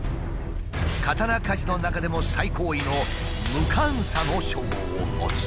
刀鍛冶の中でも最高位の「無鑑査」の称号を持つ。